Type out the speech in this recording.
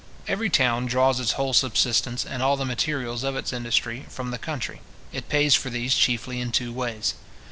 Every town draws its whole subsistence, and all the materials of its industry, from the: country. It pays for these chiefly in two ways.